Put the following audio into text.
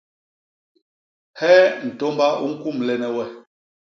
Hee ntômba u ñkumlene we?